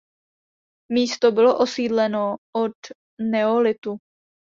Místo bylo osídleno od neolitu.